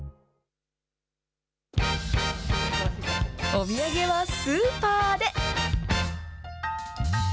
お土産はスーパーで！